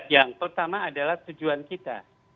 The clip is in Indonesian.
yang pertama adalah tujuan kita